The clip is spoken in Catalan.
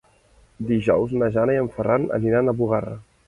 Dijous na Jana i en Ferran aniran a Bugarra.